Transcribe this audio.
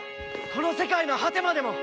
この世界の果てまでも！